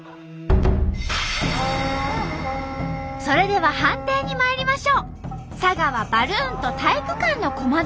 それでは判定にまいりましょう。